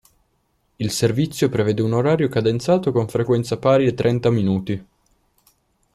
Il servizio prevede un orario cadenzato con frequenza pari a trenta minuti.